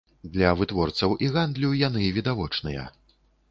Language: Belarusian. Для вытворцаў і гандлю яны відавочныя.